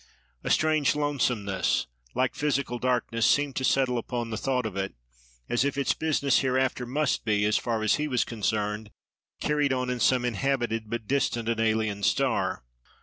A strange lonesomeness, like physical darkness, seemed to settle upon the thought of it; as if its business hereafter must be, as far as he was concerned, carried on in some inhabited, but distant and alien, star.